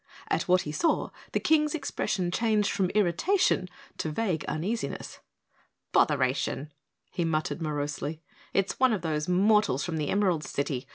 At what he saw, the King's expression changed from irritation to vague uneasiness. "Botheration!" he muttered morosely. "It's one of those mortals from the Emerald City.